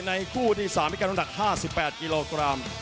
ในกู้ที่สามมีการรุ่นดัก๕๘กิโลกรัม